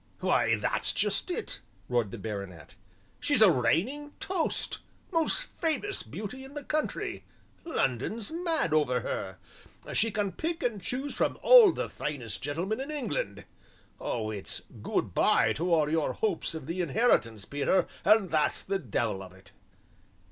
"Why, that's just it," roared the baronet; "she's a reigning toast most famous beauty in the country, London's mad over her she can pick and choose from all the finest gentlemen in England. Oh, it's 'good by' to all your hopes of the inheritance, Peter, and that's the devil of it."